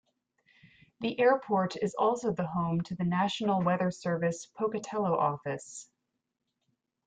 The airport is also the home to the National Weather Service Pocatello Office.